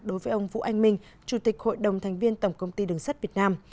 đối với ông vũ anh minh chủ tịch hội đồng thành viên tổng công ty đường sắt việt nam